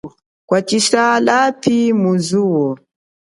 Kwatshisa lapi mu zuwo.